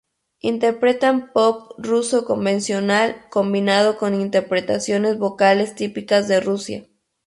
Interpretan pop ruso convencional combinado con interpretaciones vocales típicas de Rusia.